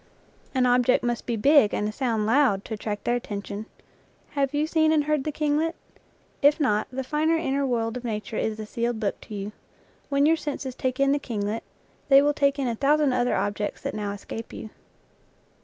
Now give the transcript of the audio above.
An object must be big and a sound loud, to attract their attention. Have you seen and heard the kinglet? If not, the finer in ner world of nature is a sealed book to you. When your senses take in the kinglet they will take in a thousand other objects that now escape you.